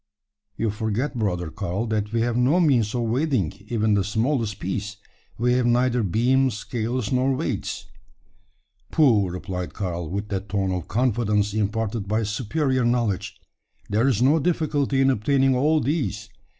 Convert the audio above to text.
"You forget, brother Karl, that we have no means of weighing, even the smallest piece. We have neither beam, scales, nor weights." "Pooh!" replied Karl, with that tone of confidence imparted by superior knowledge. "There's no difficulty in obtaining all these.